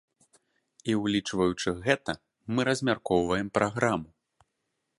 І ўлічваючы гэта мы размяркоўваем праграму.